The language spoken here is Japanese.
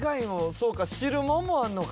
そうか汁ものもあるのか。